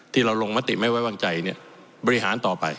ที่เราลงมติไม่ไว้วางใจบริหารต่อไป